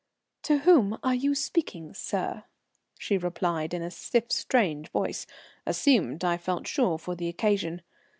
"To whom are you speaking, sir?" she replied in a stiff, strange voice, assumed, I felt sure, for the occasion.